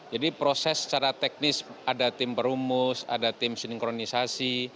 jadi proses secara teknis ada tim berumus ada tim sininkronisasi